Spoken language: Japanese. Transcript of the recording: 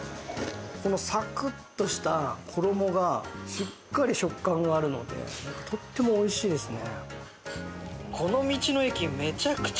このサクッとした衣がしっかり食感があるのでとってもおいしいですね。